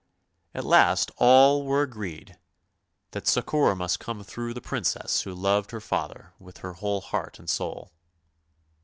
At last all were agreed that succour must come through the Princess who loved her father with her whole heart and soul.